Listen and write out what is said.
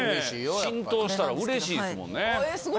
浸透したら嬉しいですもんね。